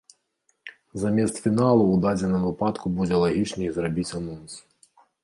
Замест фіналу ў дадзеным выпадку будзе лагічней зрабіць анонс.